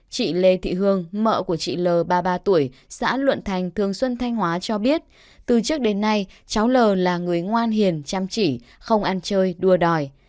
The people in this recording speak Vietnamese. chị lê thị hương vợ của chị l ba mươi ba tuổi xã luận thành thường xuân thanh hóa cho biết từ trước đến nay cháu l là người ngoan hiền chăm chỉ không ăn chơi đua đòi